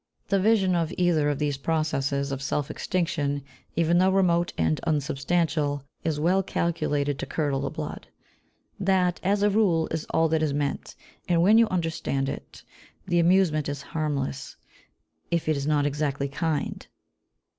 The vision of either of these processes of self extinction, even though remote and unsubstantial, is well calculated to curdle the blood. That, as a rule, is all that is meant; and, when you understand it, the amusement is harmless if it is not exactly kind.